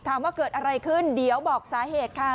ถามว่าเกิดอะไรขึ้นเดี๋ยวบอกสาเหตุค่ะ